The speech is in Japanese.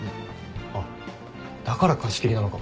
あっだから貸し切りなのか。